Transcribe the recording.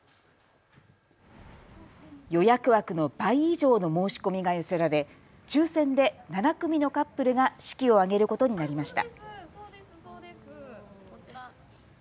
予約枠の倍以上の申し込みが寄せられ、抽せんで７組のカップルが式を挙げることになりました。